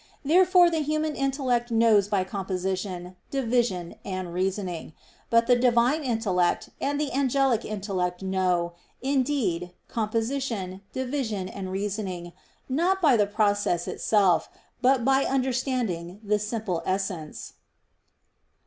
Therefore the human intellect knows by composition, division and reasoning. But the Divine intellect and the angelic intellect know, indeed, composition, division, and reasoning, not by the process itself, but by understanding the simple essence.